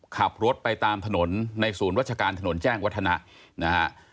ขับรถไปตามถนนในศูนย์วัชการถนนแจ้งวัฒนะนะฮะ